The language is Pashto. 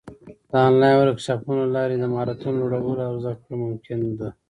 د آنلاین ورکشاپونو له لارې د مهارتونو لوړول او زده کړه ممکنه ده.